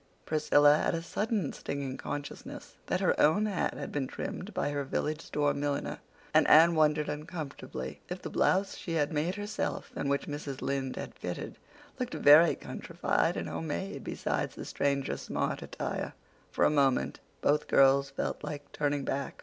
Priscilla had a sudden stinging consciousness that her own hat had been trimmed by her village store milliner, and Anne wondered uncomfortably if the blouse she had made herself, and which Mrs. Lynde had fitted, looked very countrified and home made besides the stranger's smart attire. For a moment both girls felt like turning back.